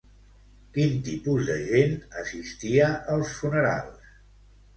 Quin tipus de gent assistia als funerals?